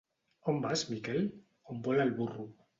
On vas, Miquel? On vol el burro.